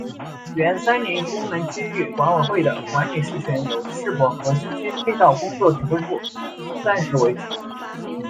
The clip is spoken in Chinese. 原三林功能区域管委会的管理事权由世博核心区配套工作指挥部暂时维持。